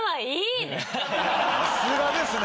さすがですね！